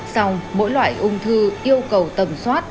xong mỗi loại ung thư yêu cầu tầm soát